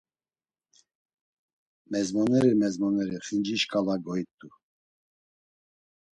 Mezmoneri mezmoneri xinci şǩala goit̆u.